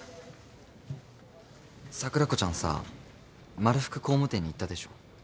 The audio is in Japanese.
桜子ちゃんさまるふく工務店に行ったでしょ